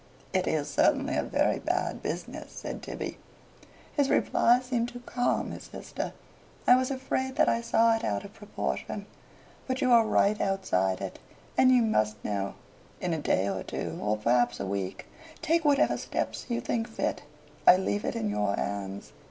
"It is certainly a very bad business," said Tibby. His reply seemed to calm his sister. "I was afraid that I saw it out of proportion. But you are right outside it, and you must know. In a day or two or perhaps a week take whatever steps you think fit. I leave it in your hands."